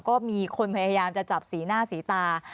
ก็มีคนพยายามจะจับสีหน้าสีตา